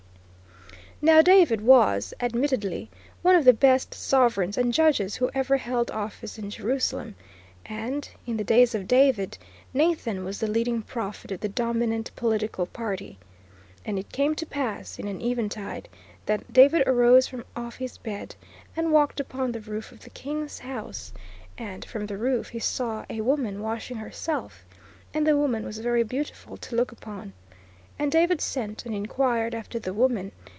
Now David was, admittedly, one of the best sovereigns and judges who ever held office in Jerusalem, and, in the days of David, Nathan was the leading prophet of the dominant political party. "And it came to pass in an eveningtide, that David arose from off his bed, and walked upon the roof of the king's house: and from the roof he saw a woman washing herself; and the woman was very beautiful to look upon. And David sent and enquired after the woman.